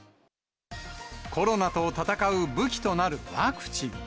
コロナと闘う武器となるワクチン。